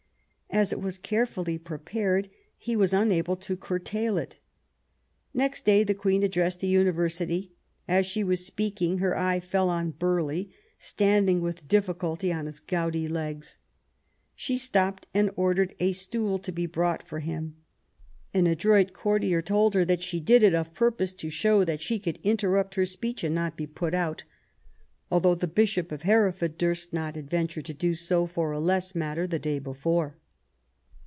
As it was carefully prepared, he was unable to curtail it. Next day the Queen addressed the University. As she was speak ing, her eye fell on Burghley, standing with difficulty on his gouty legs. She stopped and ordered a stool to be brought for him. An adroit courtier told her "that she did it of purpose, to show that she could interrupt her speech and not be put out, although the Bishop of Hereford durst not adventure to do so, for a less matter, the day before